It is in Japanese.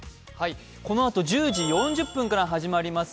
このあと１０時４０分から始まります